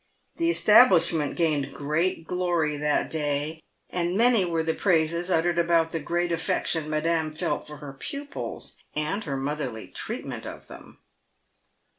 The establishment gained great glory that day, and many were the praises uttered about the great affection Madame felt for her pupils, and her motherly treatment of them.